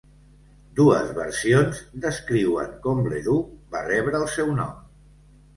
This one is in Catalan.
Dues versions descriuen com Leduc va rebre el seu nom.